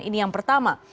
ini yang pertama